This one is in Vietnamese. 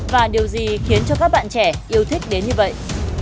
và điều gì khiến cho các bạn trẻ yêu thích đến như vậy